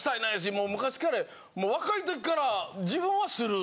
もう昔からもう若い時から自分はする。